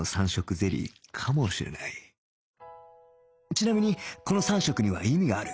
ちなみにこの３色には意味がある